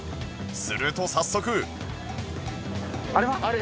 すると早速